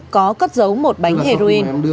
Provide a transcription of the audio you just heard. có cất dấu một bánh heroin